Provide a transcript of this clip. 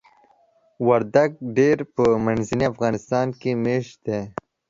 وردګ ډیری په منځني افغانستان کې میشت دي.